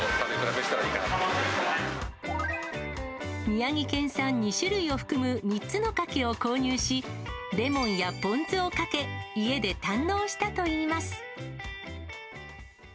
宮城県産２種類を含む３つのカキを購入し、レモンやポン酢をかけ、家で堪能したといいます。